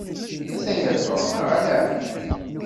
Ataya Tom, neɣ ala?